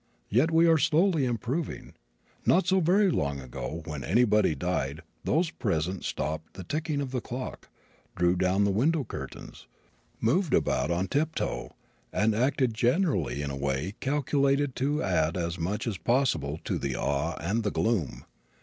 Yet we are slowly improving. Not so very long ago when anybody died those present stopped the ticking of the clock, drew down the window curtains, moved about on tiptoe, and acted generally in a way calculated to add as much as possible to the awe and the gloom.